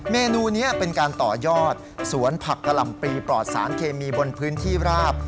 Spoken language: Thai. เมนูนี้เป็นการต่อยอดสวนผักกะหล่ำปลีปลอดสารเคมีบนพื้นที่ราบ